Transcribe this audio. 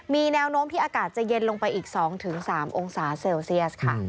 มีแนวโน้มที่อากาศจะเย็นลงไปอีก๒๓องศาเซลเซียสค่ะ